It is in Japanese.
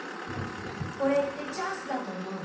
これってチャンスだと思う。